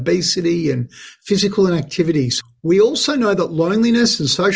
berkaitan dengan masalah kesehatan mental yang lebih tinggi